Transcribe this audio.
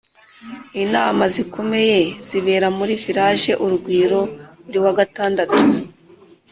Inama zikomeye zibera muri Village Urugwiro buri wa gatandatu